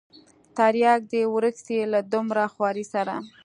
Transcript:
ترياک دې ورک سي له دومره خوارۍ سره.